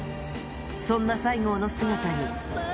そんな西郷の姿に。